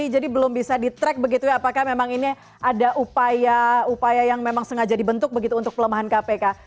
jadi belum bisa di track begitu ya apakah memang ini ada upaya yang memang sengaja dibentuk begitu untuk pelemahan kpk